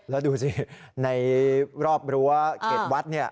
แล้วดูสิในรอบรั้วเกร็ดวัฒน์เนี่ย